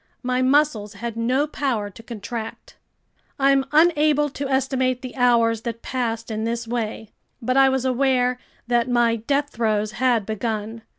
My muscles had no power to contract. I'm unable to estimate the hours that passed in this way. But I was aware that my death throes had begun.